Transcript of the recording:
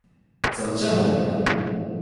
怎么这么模糊？